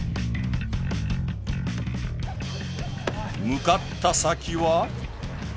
［向かった先は］